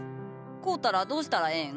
買うたらどうしたらええん？